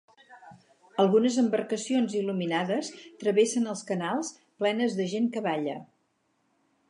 Algunes embarcacions il·luminades travessen els canals, plenes de gent que balla.